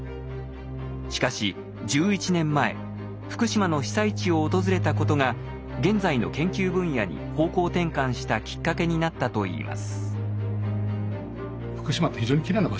しかし１１年前福島の被災地を訪れたことが現在の研究分野に方向転換したきっかけになったといいます。